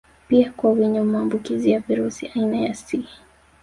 Pia kwa wenye maambukizi ya virusi aina C